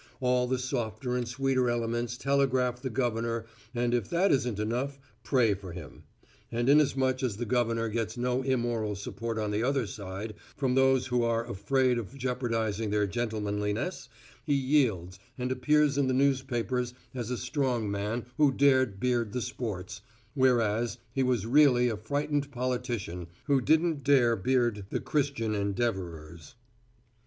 All the softer and sweeter elements telegraph the Governor and if that isn't enough, pray for him; and inasmuch as the Governor gets no immoral support on the other side from those who are afraid of jeopardizing their gentlemanliness, he yields, and appears in the newspapers as a strong man who dared beard the sports, whereas, he was really a frightened politician who didn't dare beard the Christian Endeavorers.